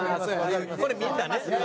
これみんなね？